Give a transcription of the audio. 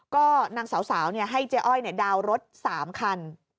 ก็นางสาวเนี่ยให้เจ๊อ้อยเนี่ยดาวรถ๓คัน